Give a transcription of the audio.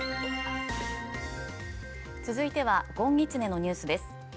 続いてはごんぎつねのニュースです。